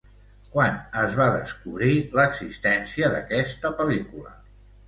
Quan es va descobrir l'existència d'aquesta pel·lícula?